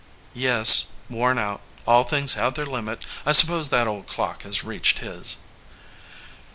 "Yes, worn out. All things have their limit. I suppose that old clock has reached his."